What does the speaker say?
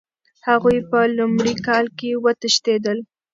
هغوی په لومړي کال کې وتښتېدل.